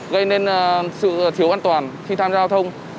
gây nên sự thiếu an toàn khi tham gia giao thông